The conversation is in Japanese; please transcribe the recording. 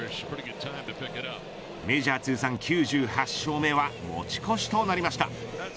メジャー通算９８勝目は持ち越しとなりました。